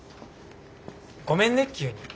ごめんね急に。